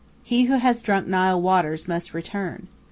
He who has drunk Nile waters must return.